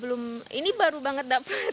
belum ini baru banget